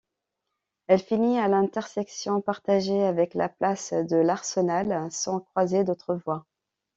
Elle finit à l'intersection partagée avec la Place de l'Arsenal, sans croiser d'autre voie.